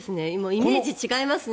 イメージ違いますね。